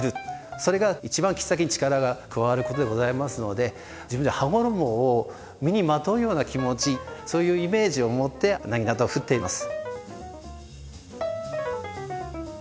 それが一番切っ先に力が加わることでございますので自分で羽衣を身にまとうような気持ちそういうイメージを持って薙刀を振っています。